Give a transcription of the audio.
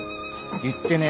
言ってねえ。